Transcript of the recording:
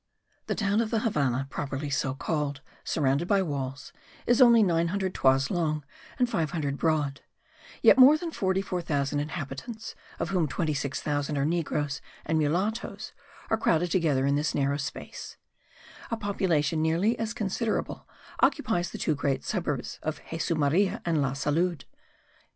The town of the Havannah, properly so called, surrounded by walls, is only 900 toises long and 500 broad; yet more than 44,000 inhabitants, of whom 26,000 are negroes and mulattoes, are crowded together in this narrow space. A population nearly as considerable occupies the two great suburbs of Jesu Maria and La Salud.